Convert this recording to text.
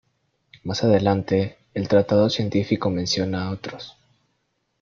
Más adelante, el tratado científico menciona a otros.